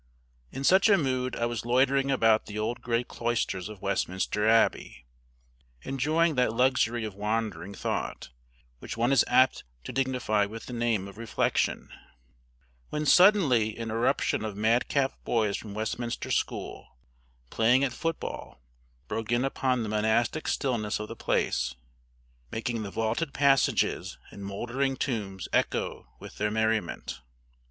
In such a mood I was loitering about the old gray cloisters of Westminster Abbey, enjoying that luxury of wandering thought which one is apt to dignify with the name of reflection, when suddenly an irruption of madcap boys from Westminster school, playing at football, broke in upon the monastic stillness of the place, making the vaulted passages and mouldering tombs echo with their merriment.